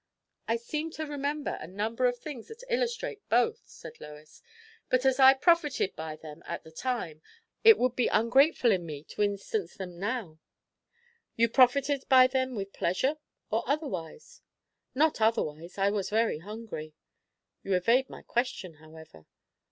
"I seem to remember a number of things that illustrate both," said Lois; "but as I profited by them at the time, it would be ungrateful in me to instance them now." "You profited by them with pleasure, or otherwise?" "Not otherwise. I was very hungry." "You evade my question, however."